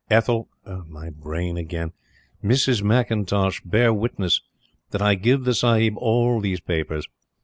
Ethel... My brain again!... Mrs. McIntosh, bear witness that I give the sahib all these papers.